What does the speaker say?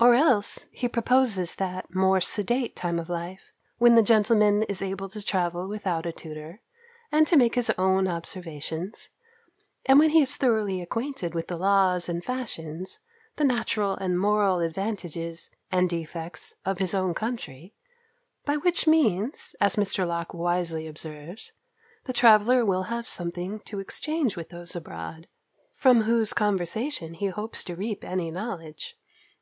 Or else he proposes that more sedate time of life, when the gentleman is able to travel without a tutor, and to make his own observations; and when he is thoroughly acquainted with the laws and fashions, the natural and moral advantages and defects of his own country; by which means, as Mr. Locke wisely observes, the traveller will have something to exchange with those abroad, from whose conversation he hopes to reap any knowledge.